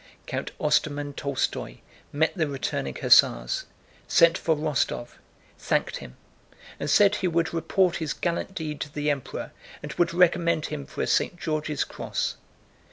Count Ostermann Tolstóy met the returning hussars, sent for Rostóv, thanked him, and said he would report his gallant deed to the Emperor and would recommend him for a St. George's Cross.